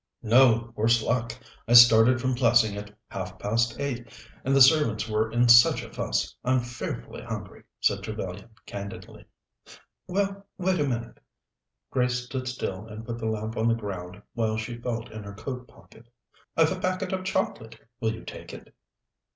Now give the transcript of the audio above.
"No, worse luck! I started from Plessing at half past eight, and the servants were in such a fuss. I'm fearfully hungry," said Trevellyan candidly. "Well, wait a minute." Grace stood still and put the lamp on the ground while she felt in her coat pocket. "I thought so. I've a packet of chocolate. Will you take it?"